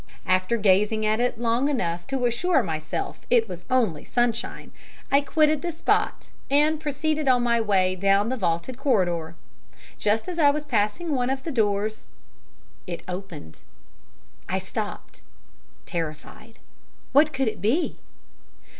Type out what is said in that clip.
"After gazing at it long enough to assure myself it was only sunshine, I quitted the spot, and proceeded on my way down the vaulted corridor. Just as I was passing one of the doors, it opened. I stopped terrified. What could it be?